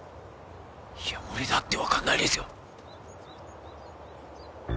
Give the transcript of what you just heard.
いや俺だって分かんないですよ！